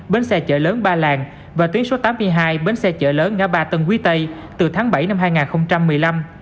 bến xe chợ lớn ba làng và tuyến số tám mươi hai bến xe chợ lớn ngã ba tân quý tây từ tháng bảy năm hai nghìn một mươi năm